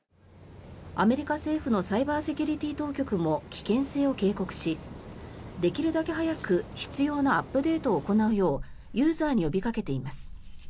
アメリカ政府のサイバーセキュリティー当局も危険性を警告しできるだけ早く必要なアップデートを行うようユーザーに呼びかけています。